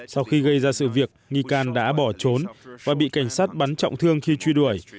sau khi gây ra sự việc nghi can đã bỏ trốn và bị cảnh sát bắn trọng thương khi truy đuổi